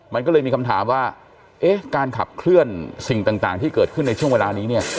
มันก็เลยมีคำถามว่าเอ๊ะการขับเคลื่อนสิ่งต่างที่เกิดขึ้นในช่วงเวลานี้เนี่ย